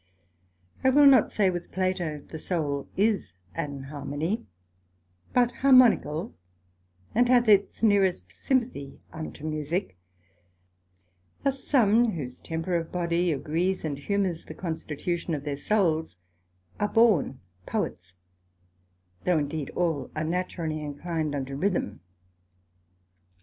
I will not say with Plato, the soul is an harmony, but harmonical, and hath its nearest sympathy unto Musick: thus some whose temper of body agrees, and humours the constitution of their souls, are born Poets, though indeed all are naturally inclined unto Rhythme.